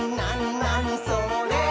なにそれ？」